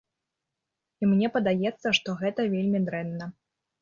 І мне падаецца, што гэта вельмі дрэнна.